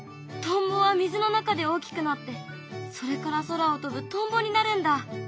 トンボは水の中で大きくなってそれから空を飛ぶトンボになるんだ。